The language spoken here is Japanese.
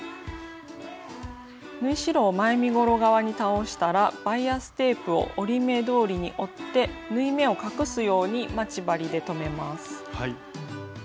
縫い代を前身ごろ側に倒したらバイアステープを折り目どおりに折って縫い目を隠すように待ち針で留めます。